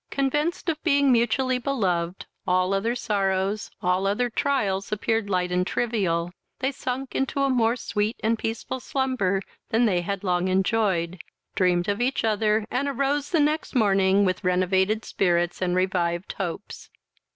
Convinced of being mutually beloved, all other sorrows, all other trials appeared light and trivial: they sunk into a more sweet and peaceful slumber than they had long enjoyed, dreamed of each other, and arose the next morning with renovated spirits and revived hopes.